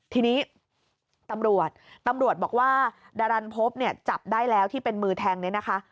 ทีนี้ตำรวจตำรวจบอกว่าดารันพบเนี่ยจับได้แล้วที่เป็นมือแทงเนี่ยนะคะ